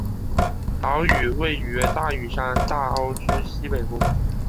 岛屿位于大屿山大澳之西北部。